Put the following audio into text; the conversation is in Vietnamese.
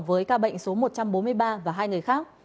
với ca bệnh số một trăm bốn mươi ba và hai người khác